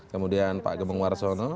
kemudian pak gemeng warasono